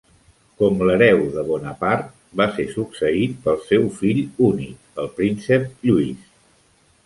Com l'hereu de Bonaparte, va ser succeït pel seu fill únic, el príncep Lluís.